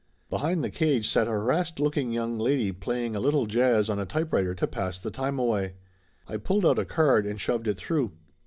Behind the cage sat a harassed looking young lady playing a little jazz on a typewriter to pass the time away. I pulled out a card and shoved it through.